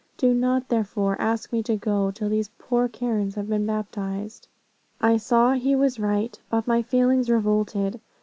Do not, therefore, ask me to go, till these poor Karens have been baptized.' I saw he was right, but my feelings revolted.